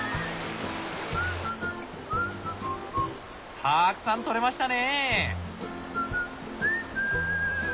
たくさん採れましたね！